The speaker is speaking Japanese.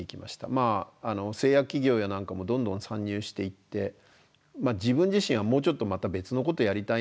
まあ製薬企業やなんかもどんどん参入していって自分自身はもうちょっとまた別のことやりたいなと思ってですね